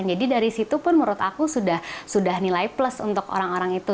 jadi dari situ pun menurut aku sudah nilai plus untuk orang orang itu